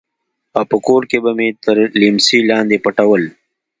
او په کور کښې به مې تر ليمڅي لاندې پټول.